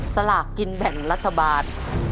สลากกินแบ่งรัฐบาล